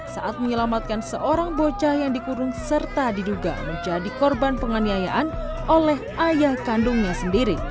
saat menyelamatkan seorang bocah yang dikurung serta diduga menjadi korban penganiayaan oleh ayah kandungnya sendiri